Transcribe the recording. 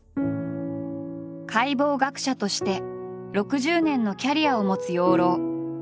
解剖学者として６０年のキャリアを持つ養老。